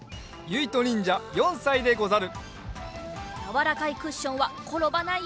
さなにんじゃ２さいでござる。